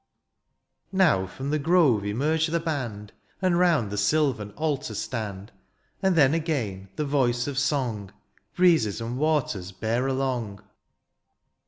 Now from the grove emerge the band. And round the sylvan altar stand. And then again the voice of song. Breezes and waters bear along.